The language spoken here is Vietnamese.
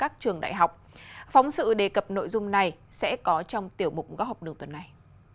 các trường đại học phóng sự đề cập nội dung này sẽ có trong tiểu mục góc học đường tuần này